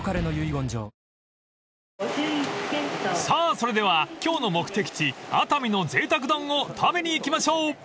［さあそれでは今日の目的地熱海の贅沢丼を食べに行きましょう］